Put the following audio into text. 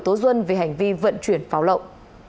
tố dân về hành vi vận chuyển pháo lẩu